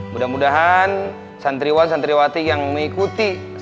mudah mudahan santriwan santriwa dan perempuan